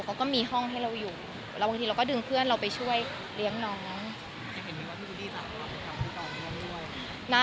เขาก็มีห้องให้เราอยู่แล้วบางทีเราก็ดึงเพื่อนเราไปช่วยเลี้ยงน้องจะเห็นไหมคะ